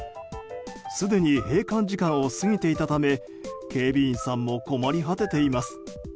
すでに閉館時間を過ぎていたため警備員さんも困り果てています。